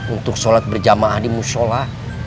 untuk sholat berjamaah di musyola